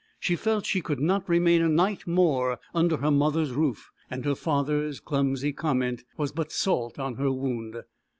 She felt she could not remain a night more under her mother's roof, and her father's clumsy comment was but salt on her wound.